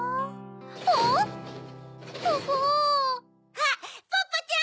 ・あっポッポちゃん！